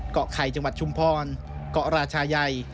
เกาะไข่จังหวัดชุมพรเกาะราชายัย